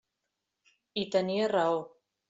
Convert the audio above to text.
I tenia raó.